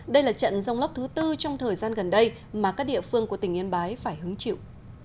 đây là trận rông lốc thứ tư trong thời gian gần đây mà các địa phương của tỉnh yên bái phải hứng chịu